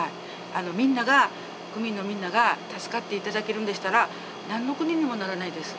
みんなが区民のみんなが助かって頂けるんでしたら何の苦にもならないです。